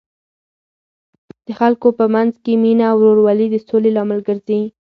د خلکو په منځ کې مینه او ورورولي د سولې لامل ګرځي.